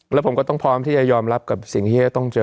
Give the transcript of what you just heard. แล้วผมก็ต้องพร้อมที่จะยอมรับกับสิ่งที่จะต้องเจอ